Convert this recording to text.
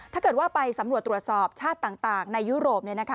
ถ้าเกิดว่าไปสำหรับตรวจสอบชาติต่างในยุโรปเนี่ยนะคะ